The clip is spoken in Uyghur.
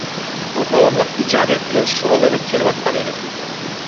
ئۇ داۋاملىق ئىجادىيەت بىلەن شۇغۇللىنىپ كېلىۋاتقانىدى.